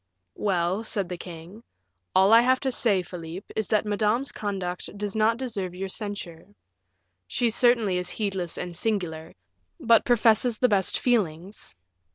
"Well," said the king, "all I have to say, Philip, is that Madame's conduct does not deserve your censure. She certainly is heedless and singular, but professes the best feelings.